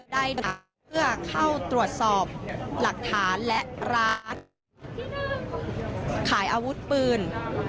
ดักเพื่อเข้าตรวจสอบหลักฐานและร้านขายอาวุธปืน